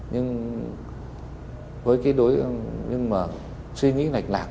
nhưng với cái đối nhưng mà suy nghĩ lạch lạc